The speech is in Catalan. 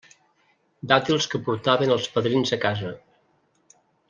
Dàtils que portaven els padrins a casa.